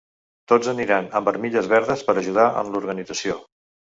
Tots aniran amb armilles verdes per a ajudar en l’organització.